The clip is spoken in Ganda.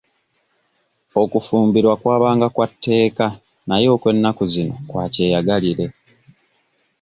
Okufumbirwa kwabanga kwa tteeka naye okw'ennaku zino kwa kyeyagalire.